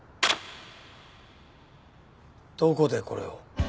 どこでこれを？